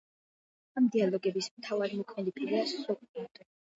ამ დიალოგების მთავარი მოქმედი პირია სოკრატე.